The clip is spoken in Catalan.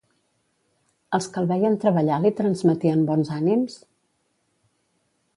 Els que el veien treballar li transmetien bons ànims?